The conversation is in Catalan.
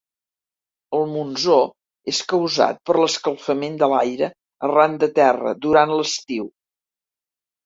El monsó és causat per l'escalfament de l'aire arran de terra durant l'estiu.